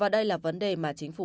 để đối phó